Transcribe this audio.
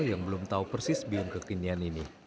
yang belum tahu persis bion kekinian ini